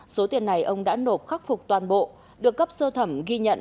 số tiền này ông đã nộp khắc phục toàn bộ được cấp sơ thẩm ghi nhận